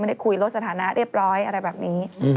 ได้คุยลดสถานะเรียบร้อยอะไรแบบนี้